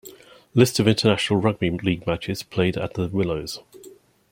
List of international rugby league matches played at The Willows.